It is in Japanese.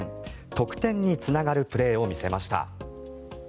得点につながるプレーを見せました。